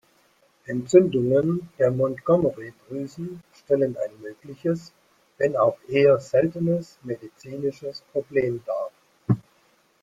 Entzündungen der Montgomery-Drüsen stellen ein mögliches, wenn auch eher seltenes medizinisches Problem dar.